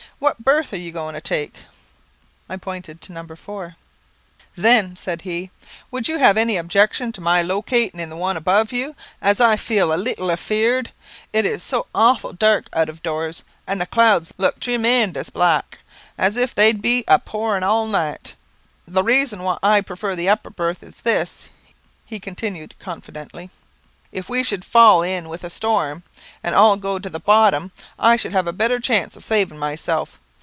What berth are you goin' to take?" I pointed to No. 4. "Then," said he, "would you have any objection to my locating in the one above you, as I feel a leetle afear'd? It is so awful dark out doors, and the clouds look tre mend ous black, as if they'd be a pourin' all night. The reason why I prefer the upper berth is this," he continued confidentially; "if we should fall in with a storm, and all go to the bottom, I should have a better chance of saving myself.